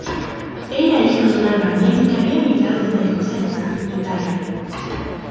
Era hijo de un albañil que había emigrado desde Cosenza, Italia.